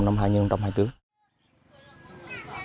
tình trạng của điểm trường ca ai